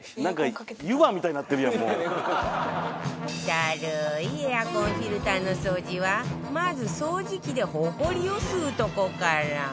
ダルいエアコンフィルターの掃除はまず掃除機でホコリを吸うとこから